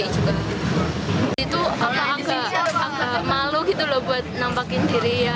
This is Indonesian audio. itu agak malu gitu loh buat nampakin diri ya